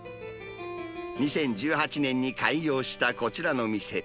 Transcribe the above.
２０１８年に開業したこちらの店。